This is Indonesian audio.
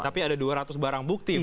tapi ada dua ratus barang bukti